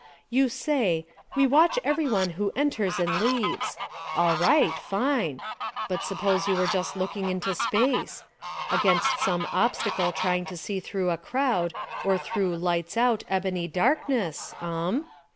You say : We watch every one who enters and leaves. All right; fine! But suppose you were just looking into space? — against some obstacle trying to see through a crowd, or through "lights out" ebony darkness; um?